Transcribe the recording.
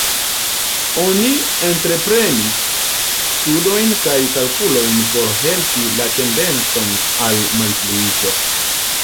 Oni entreprenis studojn kaj kalkulojn por helpi la tendencon al malpliiĝo.